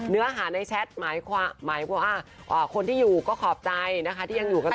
เนื้อหาในแชทหมายว่าคนที่อยู่ก็ขอบใจนะคะที่ยังอยู่กับ